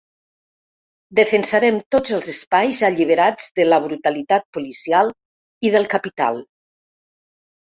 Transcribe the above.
Defensarem tots els espais alliberats de la brutalitat policial i del capital.